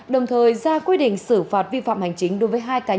đồng thời ra quy định xử phạt vi phạm hành chính đối với hai cá nhân